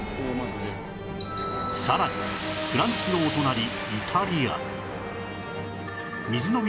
さらにフランスのお隣イタリア水の都